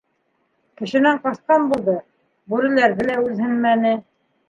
Кешенән ҡасҡан булды, бүреләрҙе лә үҙһенмәне.